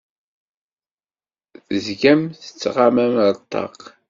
Tezgam tettɣamam ar ṭṭaq.